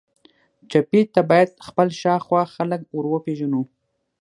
ټپي ته باید خپل شاوخوا خلک وروپیژنو.